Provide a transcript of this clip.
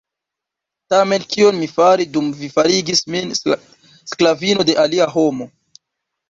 Tamen kion mi fari dum vi farigis min sklavino de alia homo?